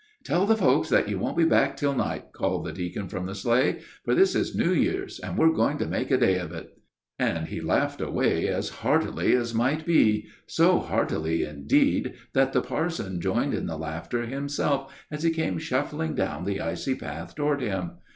"Tell the folks that you won't be back till night," called the deacon from the sleigh; "for this is New Year, and we're going to make a day of it," and he laughed away as heartily as might be so heartily that the parson joined in the laughter himself as he came shuffling down the icy path toward him.